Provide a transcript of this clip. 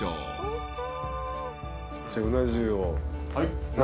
じゃあうな重を７。